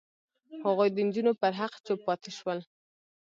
هغوی د نجونو پر حق چوپ پاتې شول.